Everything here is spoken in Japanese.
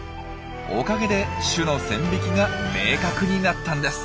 おかげで種の線引きが明確になったんです。